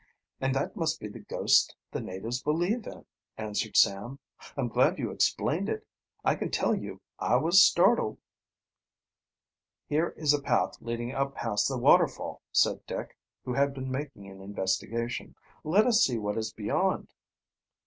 And that must be the ghost the natives believe in," answered Sam. "I'm glad you explained it. I can tell you I was startled." "Here is a path leading up past the waterfall," said Dick, who had been making an investigation. "Let us see what is beyond."